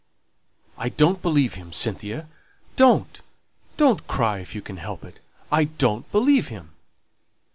"I don't believe him, Cynthia. Don't, don't cry if you can help it; I don't believe him."